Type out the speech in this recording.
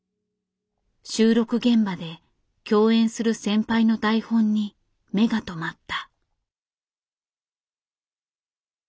収録現場で共演する先輩の台本に目が留まった。